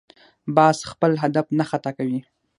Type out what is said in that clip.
باز خپل هدف نه خطا کوي